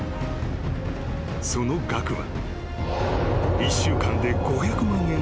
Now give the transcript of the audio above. ［その額は］